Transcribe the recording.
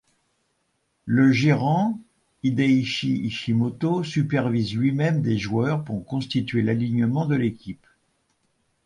Le gérant Hideichi Ishimoto supervise lui-même des joueurs pour constituer l'alignement de l'équipe.